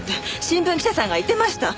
新聞記者さんが言ってました。